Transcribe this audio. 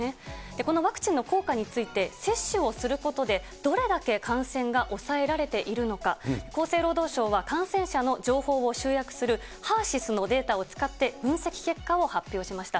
このワクチンの効果について、接種をすることでどれだけ感染が抑えられているのか、厚生労働省は感染者の情報を集約するハーシスのデータを使って、分析結果を発表しました。